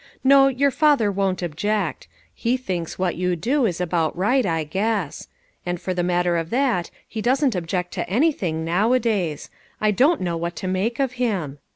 No, your father won't object ; he thinks what you do is about right, I guess. And for the matter of that, he doesn't object to anything nowadays ; I don't know what to make of him."